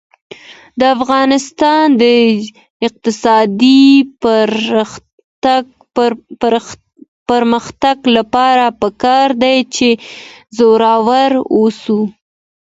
د افغانستان د اقتصادي پرمختګ لپاره پکار ده چې زړور اوسو.